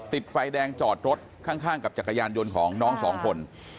ติดไฟแดงจอดรถข้างกับจักรยานยนต์ของน้องสองคน